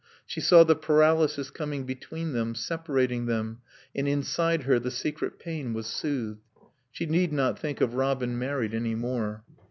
She saw the paralysis coming between them, separating them, and inside her the secret pain was soothed. She need not think of Robin married any more.